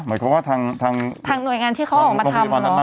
หมายความว่าทางหน่วยงานที่เขาออกมาทำ